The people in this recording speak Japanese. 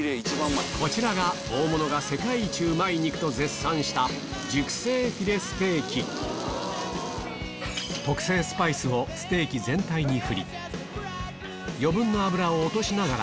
こちらが大物が世界一うまい肉と絶賛したステーキ全体にふり余分な脂を落としながら